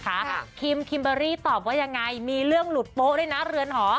คิมคิมเบอรี่ตอบว่ายังไงมีเรื่องหลุดโป๊ะด้วยนะเรือนหอ